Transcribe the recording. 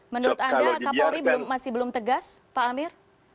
menurut anda kapolri masih belum tegas pak amir